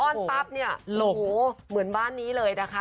อนปั๊บเนี่ยโหลเหมือนบ้านนี้เลยนะคะ